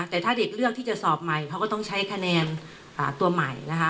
แต่ถ้าเด็กเลือกที่จะสอบใหม่เขาก็ต้องใช้คะแนนตัวใหม่นะคะ